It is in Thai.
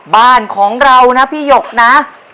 บ้านของเรานะพี่หยกนะ